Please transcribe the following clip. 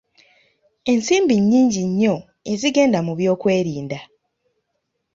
Ensimbi nnyngi nnyo ezigenda mu byokwerinda.